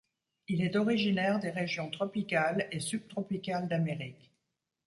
Il est originaire des régions tropicales et subtropicales d'Amérique.